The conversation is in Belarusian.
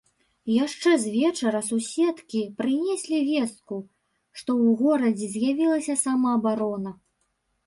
Яшчэ з вечара суседкі прынеслі вестку, што ў горадзе з'явілася самаабарона.